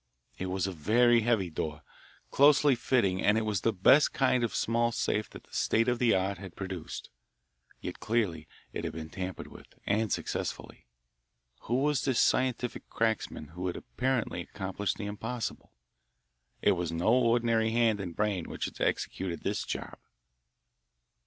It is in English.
It was a heavy door, closely fitting, and it was the best kind of small safe that the state of the art had produced. Yet clearly it had been tampered with, and successfully. Who was this scientific cracksman who had apparently accomplished the impossible? It was no ordinary hand and brain which had executed this "job."